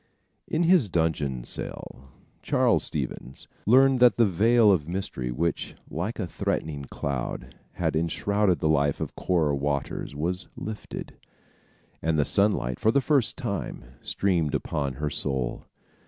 In his dungeon cell, Charles Stevens learned that the veil of mystery which, like a threatening cloud, had enshrouded the life of Cora Waters was lifted, and the sunlight, for the first time, streamed upon her soul.